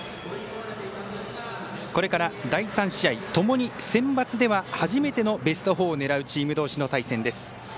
これから第３試合ともにセンバツでは初めてのベスト４を狙うチームどうしの対戦です。